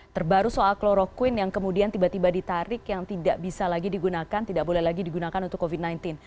terbaru soal kloroquine yang kemudian tiba tiba ditarik yang tidak bisa lagi digunakan tidak boleh lagi digunakan untuk covid sembilan belas